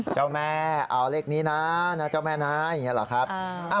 เจ้าแม่เอาเลขนี้นะเจ้าแม่นายอย่างนี้หรอครับ